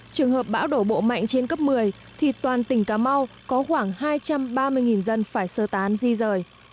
trường hợp bão đổ bộ mạnh trên cấp một mươi thì toàn tỉnh cà mau có khoảng hai trăm ba mươi dân phải sơ tán di rời